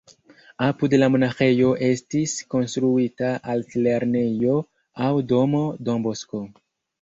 Apud la monaĥejo estis konstruita altlernejo aŭ domo Don Bosco.